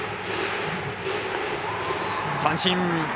三振。